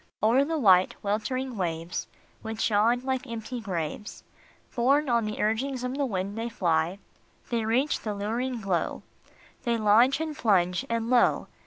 O er the white, weltering waves, Which yawn like empty graves, Borne on the urgings of the wind, they fly ; They reach the luring glow, They launch and plunge, and lo